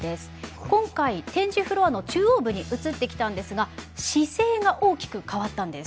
今回展示フロアの中央部に移ってきたんですが姿勢が大きく変わったんです。